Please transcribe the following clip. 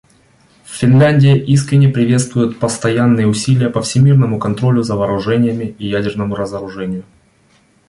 Финляндия искренне приветствует постоянные усилия по всемирному контролю за вооружениями и ядерному разоружения.